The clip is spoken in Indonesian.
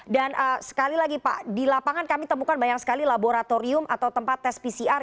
dan sekali lagi pak di lapangan kami temukan banyak sekali laboratorium atau tempat tes pcr